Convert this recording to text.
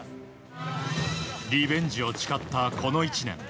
リベンジを誓ったこの１年。